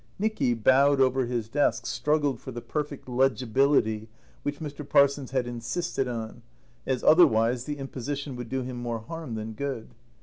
Nicky, bowed over his desk, struggled for the perfect legibility which Mr. Parsons had insisted on, as otherwise the imposition would do him more harm than good.